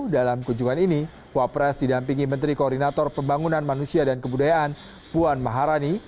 dalam kunjungan ini wapres didampingi menteri koordinator pembangunan manusia dan kebudayaan puan maharani